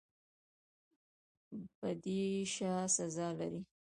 بدی څه سزا لري؟